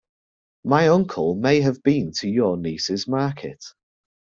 My uncle may have been to your niece's market.